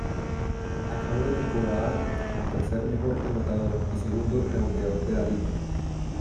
Acabó la temporada como tercer mejor anotador y segundo reboteador de la liga.